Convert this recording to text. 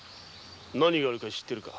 何があるか知ってるか？